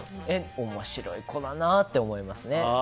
面白い子だなって思います。